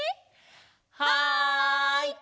はい！